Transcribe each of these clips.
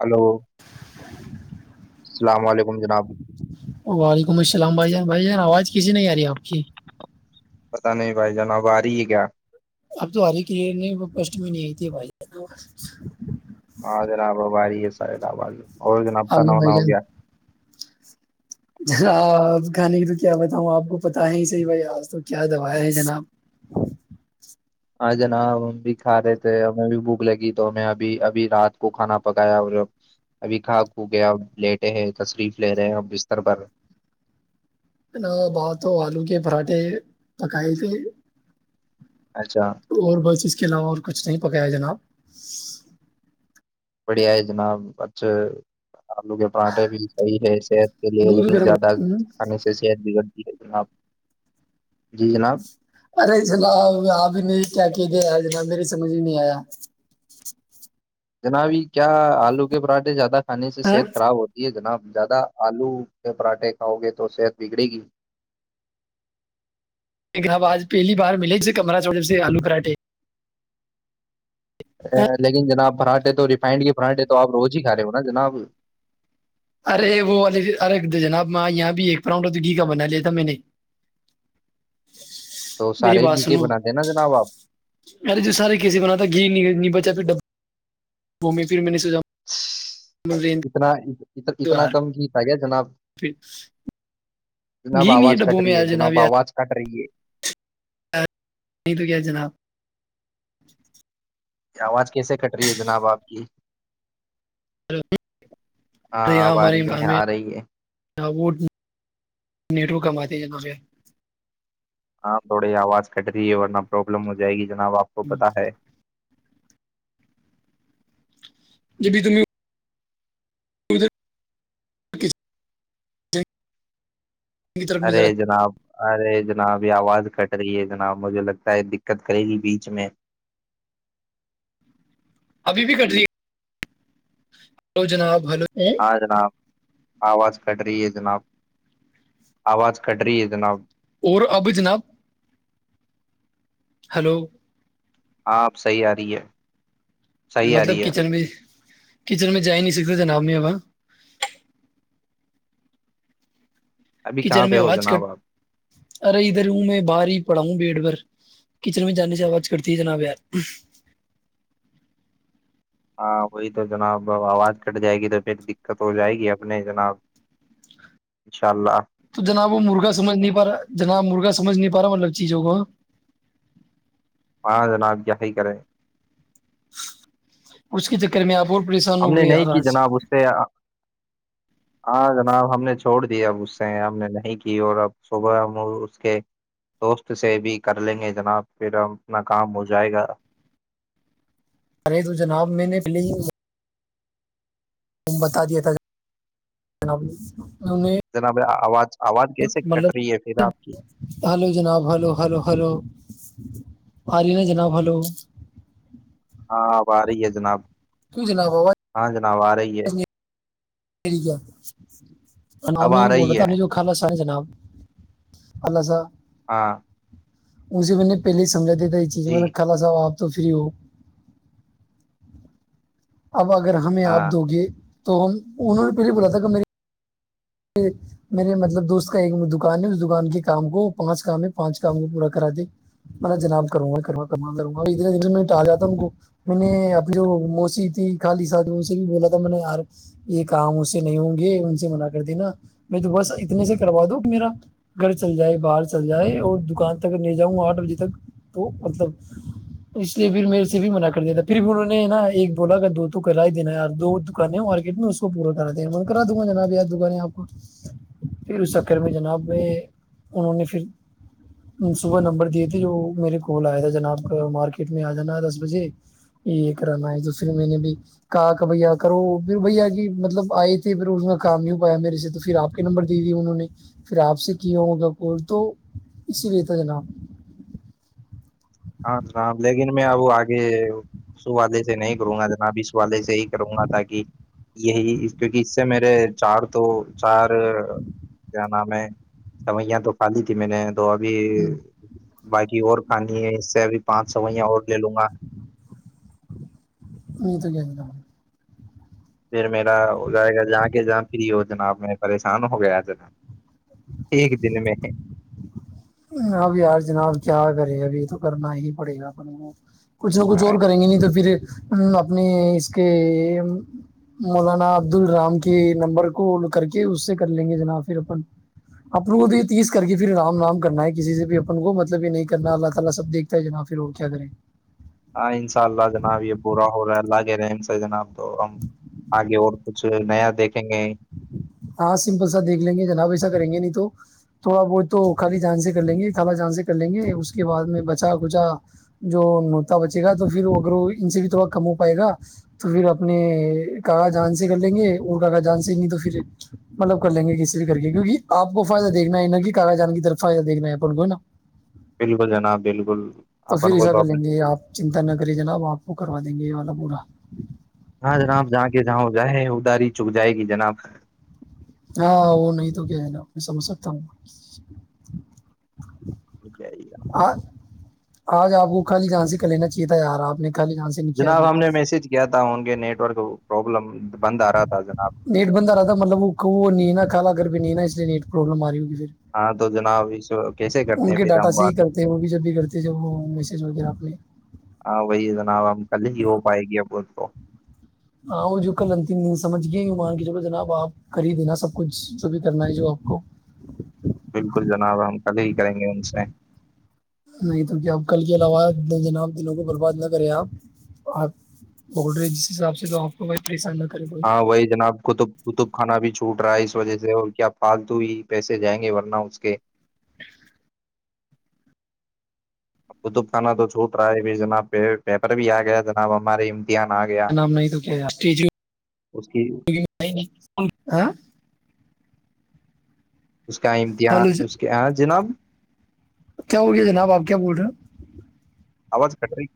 Hello السلام علیکم جناب وعلیکم السلام بھائی جان بھائی جان آواز کسی نہیں آ رہی آپ کی پتا نہیں بھائی جناب آ رہی ہے کیا اب تو ہاری کے لی نہیں پسٹ میں نہیں آئی تے بھائی ہ ج ر آاب باری [unintelligible] [inaudible] سید آواز اور جناب کھانا جان وانا بھائی ہو جان گیا جنا آپ کھانے کی تو کیا بتاؤں آپ کو پتاہ ہے صحی بھائی آج تو کیا دوایا ہے جناب ہاں جناب ہم بھی کھا رہے تھے ہمیں بھی بھوک لگی تو ہمیں ابھی ابھی رات کو کھانا پکایا اور ابھی کھا کھو گیا لیٹے ہیں تشریف لے رہے ہیں ا بستر پرھر ب تو آلو کے پراٹھے پکائے تھے اچھا تو اور بس اس کے علاوہ اور کچھ نہیں پکایا جناب السلام علیکم محترم بھائی جان آپ کو بھی مبارک ہو بڑھیا ہے جناب اچھا آلو کے پراٹھے بھی صحیح ہے صحت کے لیے دودھ لیکن گرم زیادہ ہوں۔ کھانے سے صحت ب گڑ ہے جناب جی جناب ارے چلا آپ بھی نہیں کیا کہ دے ج میری سمج ہی نہیں آیا جنابی کیا آلو کے پراٹھے زیادہ کھانے سے ہاں؟ صحت خراب ہوتی ہے جناب زیادہ آلو کے پراٹھے کاؤ گے تو صحت بگڑے گی ایک اب آج پہلی بار ملے ہیی کمرہ چوڑ جب سے آلو کراٹے لیکن جناب بھراٹے تو ریفائنڈ کے پررانڈے تو آپ روز ہی کھ رہے ہو نا جناب ارے وہے ارے جناباں یہاں بھی ایک پراؤنڈ تو گھی کا بنا لیا تھا میں نے تو میری سارے بات گھی کے سنو بناتے ہیں نا جناب آپ ارے جو سارے کیسے بنات تھا گھی نب جا پ ڈبا وہ میں پھر میں نے سجا اتنا اتنا کمتا گیا جنا فکس جناب آواز کٹ رہی ہے جناب آواز کٹ رہی ہے نہیں تو کیا جناب یہ آواز کیسے کٹ رہی ہے جناب آپ کی؟ ہاں اب آ رہی ہے آ رہی ہے ہ وہ نیٹرو کماتے ہیں جنا پیا ہاں تھوڑی آواز کٹ رہی ہے ورنہ پروابلم ہو جائے گی جناب آپ کو پتہ ہے جبھی تم ک ٹھ ارے جناب ارے جناب یہ آواز کٹ رہی ہے جناب مجھے لگتا ہے دقت کرے گی بیچ میں ابھی بھی کٹ رہی ہےو جناب ہلو ہاں جنااب آواز کٹ رہی ہے جناب آواز کٹ رہی ہے جناب اور اب جناب ہلو آپ صحیح آ رہی ہے صحیح آ مطلب رہی ہے کچن میں کچن میں جا ہی نہیں سکتے جناب میںبا السلام علیکم ابھی کہاں کچن میں پہ ہو آواز جناب کٹ آپ ارے ادھر ہوں میں باہر ہی پڑھا ہوں بیڈ بھر کچن میں جانے سے آواز کرتی ہے جناب یار ہاں وہی تو جناب آواز کٹ جائے گی تو پھر دقت ہو جائے گی اپنے جناب انشاء اللہ تو جناب وہ مرغا سمجھ نہیں پا رہا جناب مرغا سمجھ نہیں پا رہا مطلب چیزوں کو جناب یہیای کریں کے چکر میں آپ پریشان ہم ہو نے گئے یار نہیں کی آج جناب اس سے ہاں جناب ہم نے چھوڑ دییا اب اس سے ہم نے نہیں کی اور اب صبح ہم اس کے دوست سے بھی کر لیں گے جناب پھر ہم اپنا کام ہو جائے گا ارے تو جناب میں نے پہلے ہی ت بتا دیا تھا جب جنا میں آواز آواز کیسے مب کٹ رہی ہے پھر آپ کی ہلو جناب ہلو ہلو ہلو آ ن جناب ہلو ہاں آب آ رہی ہے جناب ت جناب ابج و رہی ہے ٹھیک ہے ہم اب آ رہی بولتا ہے نہیں جو خ س جناب اللہذا ہاں مے میں نے پہلے سے سمجا دیے تھا یہ چیز میں جی نے کا سب آپ تو فری ہو اب اگر ہمیں آپ ہاں دو گے تو ہم انہوں نے پہلے بولا تھا کہ میری میرے مطلب دوست کا ایک دکان ہے اس دکان کے کام کو پانچ کام ہے پانچ کام کو پورا کراتے م جناب کروں گا کر کروں گا اتنے میں ٹال جاتا کو میں نے اپنی جو موسی تھی خالی س ان سے بھی بولا تھا میں نے یار یہ کام اس سے نہیں ہوں گے ان سے م ا میں تو بس اتنے سے کروا دو میرا گھر چل جائے باہر چل جائے اور دکان تک نہیں جاؤں آٹھ بجے تک تو مطلب اس لیے پھر میرے سے بھی منع کر دیتا پھر بھی انہوں نے نا ایک بولا کہ دو تو کر دینا ار دو دکانیں مارکیٹ میں اس کو پورا کرا دینا م کرا دوں گا جناب یاد پھر اس چکر میں جناب میں انہوں نے پھر صبح نمبر دیے تھے جو میرے کال آیا تھا جناب مارکیٹ میں آ جانا ہے دس بجے یہ کرانا ہے تو پھر میں نے بھی کہا کہ بھیا کرو پ بھ کی مطلب آئے تھے پھر اس میں کام ی میرے سے تو پھر آپ کے نمبر دے دیے انہوں نے پھر آپ سے کیا ہوگا کال تو اسی لیے تھا جناب ہاں جنا لیکن میں اب آگے اسوالے سے نہیں کروں گا جناب اس والالے سے ہی کروں گا تاک یہی کیونکہ اس سے میرے چار تو چار کیا نام ہے سوئیاں تو خالی تھی میں نے تو ابھی باقی اور ہاں جی ابھی پانچ سو وہیا اور لے لوں گا نہیں تو کیاتا ہ پھر میرا جائے گا جا کے جان فری و جناب میں پریشان ہو گیا جذرا ایک دن میں ہے اب یار جناب کیا کرے ابھی تو کرنا ہی پڑے گا پر کو کچھ نہ کچھ ہاں اور کریں گے نہیں تو پھر اپنے اس کے مولانا عبدال رام کے نمبر کو کر کے اس سے کر لیں گے جنا پھر اپن اپن کو تو یہ تیس کر کے پھر رام رام السلام علیکم محترم بھائی جان آپ کو بھی مبارک ہو ہاں کہ رہے سر جناب تو ہم آگے اور کچھ نیا دیکھیں گے ہاں سمپل سا دیکھ لیں گے جناب ایسا کریں گے نہیں تو تھوڑا بہت تو خالی جان سے خالا جان سے کر لیں گے اس کے بعد میں بچا کچا جو نوتا بچے گا تو پھر اگر ان سے بھی تھوڑا کم ہو پائے گا تو پھر اپنے خالہ جان سے کر لیں گے اور خالہ جان سے نہیں تو پھر مطلب کر لیں گے کسی بھی کر کے کیونک آپ کو فائدہ دیکھنا ہے نا کہ خالہ جان کی طرف فائدہ دیکھنا ہے اپن کو نا بالکل جناب بالکل تو پھر اپن کو ایسا کر لیں اپنے گے آپ چنتا نہ کرے جناب آپ کو کروا دیں گے والا [inaudible] ہاں جناب آپ جہاں کے جہاں ہو جائے ہے داری چک جائے گی جناب ہاں وہ نہیں تو کیا ہے نا میں سمجھ سکتا ہوں [inaudible] آج آپ کو خالی جان سے کر لینا چاہے تھا یار آپ نے خالی جان سے نہیں کیا جناب ابھی ہم نے میسج کیا تھا ان کے نیٹ ورک پروابلم نیٹ بند ا رہا تھا مطلب وہ کو نہیں ہے نہ خالہ گھر پر نہیں ہےنا اس لیےنیٹ پرابلم آ رہی ہے ہاں تو جناب اس کیسے کرتے ان ہیں کے پھر ڈاٹا ہم سے ہی بات کرتے ہیں وہ بھی جب بھی کرتے ہیں جب وہ میسج وغیرہ اپنے ہاں وہی جناب ہم کل ہی ہو پائے گی اب وہ تو ہاں وہ جو کل انتم نہیں سمجھ گئے مان کے چلو جناب آپ کر ہی دینا سب کچھ جو بھی کرنا ہے جو آپ کو بالکل جناب ہم کل ہی کریں گے ان سے نہیں تو کیا آپ کل کے علاوہ جناب دینوں کو برباد نہ کریں آپ آپ بول رہے جس حساب سے تو آپ کو کو پریشان نہ کرے کوئی ہاں وہی جناب کطب کطب خھانا بھی چ فوٹ رہا ہے اس وجہ سے اور کیا فالتو ہی پیسے جائیں گے ورنہ اس کے قطب خانہ تو چھوٹ رہا ہے ب جناب پ پیپر بھی آ گیا جناب ہمارے امتحان آ گیا نام نہیں تو کیا اس کی اس کا امتحان ہلو اس کے ہاں جناب کیا ہو گیا جناب آپ کیا بول رہے ہو آواز کٹ رہی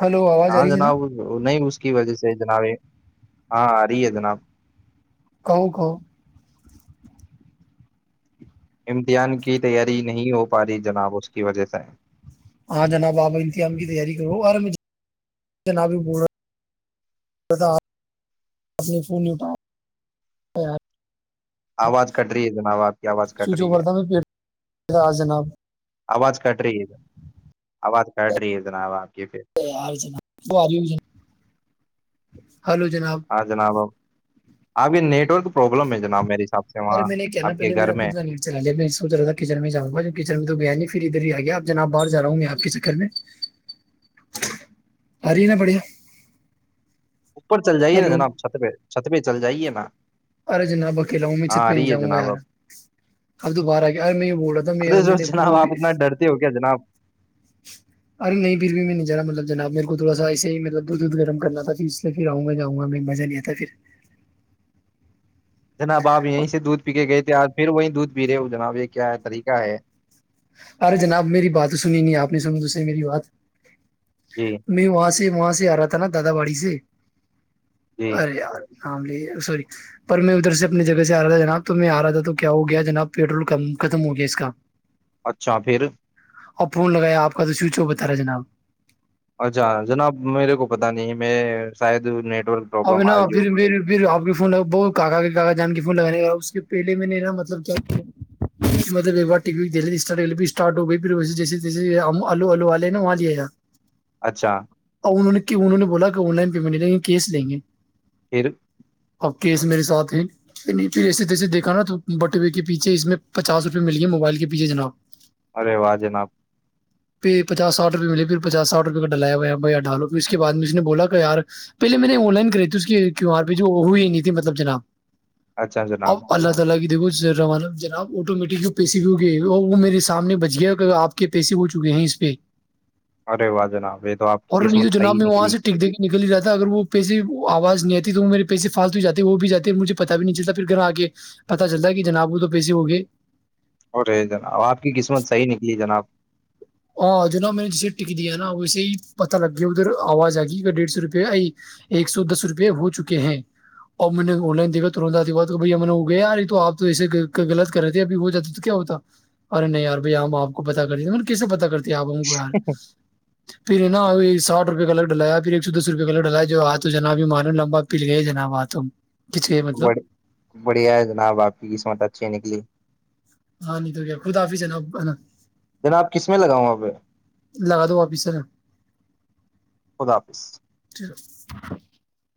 ہلو آواز آ ہاں رہی ہے جناب نہیں اس کی وجہ سے جناب ہاں ا رہی ہے جناب کہوں کہوں امتحان کی تیاری نہیں ہو پا رہی جناب اس کی وجہ سے ہاں جناب آپ اامتحان کی تیاری کرو اور میں جناب ہی بول رہا فونٹا آواز کٹ رہی ہے جناب آپ کی آواز کٹ سوئچ رہی اوور ہے تھا میں پیٹ تھا آج جناب آواز کٹ رہی ہے آواز کٹ رہی ہے جناب آپ کی پھر [unintelligible] ہاں جناب آ پھر نیٹ ورک پرابلم ہے جناب میرے حساب سے ارے وہاں میں نے کیا نا آپ کے پہے گھر میرا میں خود نیٹ چلا لیا میں سوچ رہا تھا کچن میں جاؤں گا کچن میں تو گیا نہیں پھر ادھر ہی آ گیا جناب باہر جا رہا ہوں میں آپ کے چکر میں آ رہی ہے نا بڑھیا اوپر چل جائیے نا ہلو جناب چھت پہ چھت پہ چل جائیے نا ارے جناب اکیلا ہوں میں ہاں چھت پہ آ نہیں رہی ہے جاؤں گا جناب یار اب اب دوبارہ آ گیارے میں یہ بول رہا تھا ارے سر میں جناب فون بھی آپ اتنا ڈرتے ہو کیا جناب ارے نہیں پھر بھی میں نہیں جانا مطلب جناب میرے تھوڑا ایسے مطلب دھ گرم کرنا تھا ج اس پھر آؤںا ہا میں مزہ نہیں آتا پھر جناب آپ یہیں سے دودھ پی کے گئے تھے آج پھر وہیں دودھ پیرے جناب یہ کیا طریقہ ہے ارے جناب میری بات سنی نہیں آپ نے سنو دوسے میری بات جی یں وہاں سے سے وہاں سے آ رہا تھا نا دادا باڑی سے جی ار ن لی سوری پر میں ادھر سے اپنی جگہ سے آ رہا تھا جناب تو میں آ رہا تھا تو کیا ہو گیا جناب پیٹرول کم ختم ہو گیا اس کا اچھا پھر اور فون لگایا آپ کا تو سویچو بتا رہا جناب اچھا جناب میرے کو پتا نہیں میں شاید نی ابھی نا پھر پھر آپ کے فون ب کا کاا جان کے فون لگے کا پہلے میں نے نا مطلب کیا کیا کہ مطلب ایک بار وی د اسارٹ ہو گئی پھری جیسے جیسے آلو آو والے ہیں نا وہاں لیاا اچھا اور انہوں نے انہوں نے بولا کہ آن لائن پیمنٹیں لیں گے پھر اب کیس میرے ساتھ جسے تیسے دیکھ نا تو بٹوے کے پیچھے اس میں پچاس روپے مل گیے موبائل کے پیچھے جناب ارے واہ جناب پھر پچاساٹ روپئے مے پھر پچاساٹ روپئے کا ڈایا بھیا ڈالو پھر اس کے بع میں اس نے بولا کہ یار پہے میں نے آن لائن کری تھی اس کیو آر پی جو ہوئی نہیں تھی مطلب جناب اچھا جناب السلام علیکم محترم بھائی جان آپ کو دیکھو سر روانہ جناب آٹومیٹک جو پیسے بھی ہوگئے وہ میرے سامنے بچ گیا آپ کے پیسے ہو چکے ہیں اس پہ ارے واہ جناب یہ تو آپ اور کی نہیں تو قسمت جناب صحیح میں وہاں نکلی سے ٹک دے کے نکل ہی رہا تھا اگر وہ آواز نہیں آتی تو وہ میرے پیسے فالٹ بھی جاتے ہیں وہ بھی جاتے مجھے پتتا بھی نہیں چلتا پھر گھر آگ پتا چلتا ہے کہ جناب وہ تو پیسے ہوگئے ہو رہے جناب آپ کی قسمت صحیح نکلی ہے جناب ہاں جو ن میں نے جسے ٹک دیا نا ویسے ہی پتتا لگ گیا ادھر آواز آ گی ڈیڑھ سو روپے ا ایک سو دس روپے ہو چکے ہیں اب میں نے آن لائن دیکھا ت ب وہ گیا تو آپ تو ایسے لط کر رہے تھے ابھی ہو جاتی تو کیا ہوتا ارے نہیںیار بھائی ہم آپ کو پتا کر رہ تھے کیے پتا کرتے آپ کو یار پھر نا ساٹھ روپئے کا لگ ڈلایا پھر ایک سو دس روپئے کلو ڈلایا جو آ تو جناب مانو لمبا پل گیا جناب آ ہ ب بڑھیا ہے جناب آپ کی قسمت اچھی نکلی ہاں نہیںی تو گ خود آفیس ہے ن اا جناب کس میں لگاؤں وہ پہ لگا دو واپسرا خدافظ ج